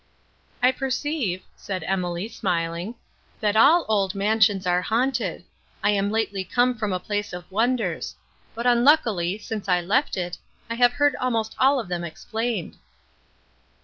"I perceive," said Emily, smiling, "that all old mansions are haunted; I am lately come from a place of wonders; but unluckily, since I left it, I have heard almost all of them explained."